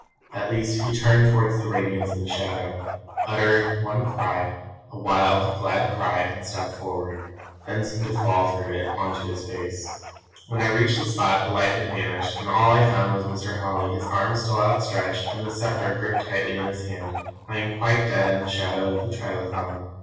At least he turned towards the Radiance in the shadow, uttered one cry; a wild, glad cry, and stepped forward; then seemed to fall through it on to his face. "When I reached the spot the light had vanished, and all I found was Mr. Holly, his arms still outstretched, and the sceptre gripped tightly in his hand, lying quite dead in the shadow of the trilithon."